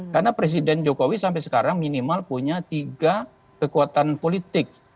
karena presiden jokowi sampai sekarang minimal punya tiga kekuatan politik